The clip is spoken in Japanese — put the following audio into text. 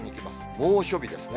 猛暑日ですね。